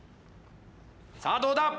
さあどうだ？